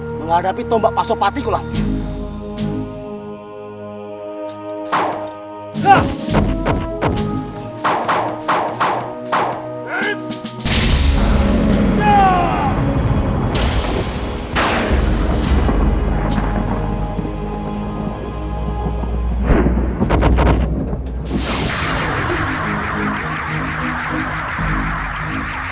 menghadapi tombak pasopati ku lh amazing